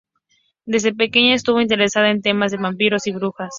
Desde pequeña estuvo interesada en temas de vampiros y brujas.